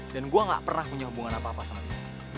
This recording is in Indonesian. dan gue gak pernah punya hubungan apa apa sama dia